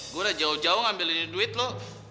gua udah jauh jauh ngambilin duit lu